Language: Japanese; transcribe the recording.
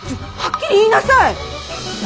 はっきり言いなさい！